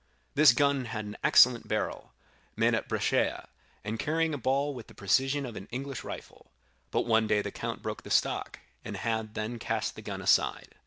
This gun had an excellent barrel, made at Brescia, and carrying a ball with the precision of an English rifle; but one day the count broke the stock, and had then cast the gun aside.